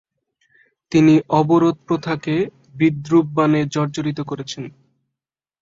তিনি অবরোধপ্রথাকে বিদ্রূপবাণে জর্জরিত করেছেন।